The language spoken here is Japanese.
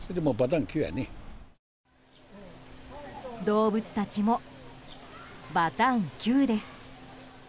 動物たちもバタンキューです。